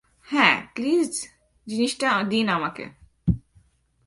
হ্যাঁ, প্লিজ, জিনিসটা দিন আমাকে।